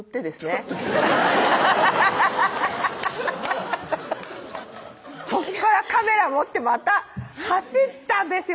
ちょっとそっからカメラ持ってまた走ったんですよ